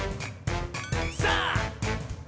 さあ！